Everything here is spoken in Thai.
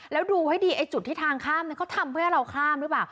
แล้วดูให้ดีไอ้จุดที่ทางข้ามเขาทำเพื่อให้เราข้ามหรือเปล่า